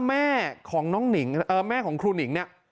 แม่ของน้องหนิงแม่ของครูหนิงเนี่ย